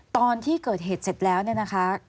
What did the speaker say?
ตอนที่เกิดเหตุเสร็จแล้วเนี่ยนะคะ